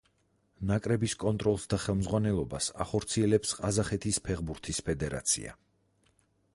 ნაკრების კონტროლს და ხელმძღვანელობას ახორციელებს ყაზახეთის ფეხბურთის ფედერაცია.